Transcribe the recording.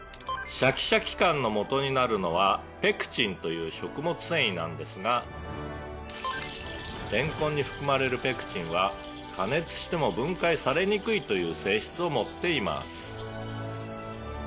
「シャキシャキ感の元になるのはペクチンという食物繊維なんですがれんこんに含まれるペクチンは加熱しても分解されにくいという性質を持っています」